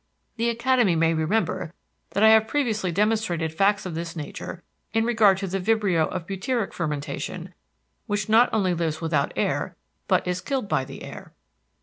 The Academy may remember that I have previously demonstrated facts of this nature in regard to the vibrio of butyric fermentation, which not only lives without air but is killed by the air.